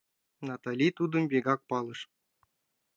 Натали Тудым вигак палыш.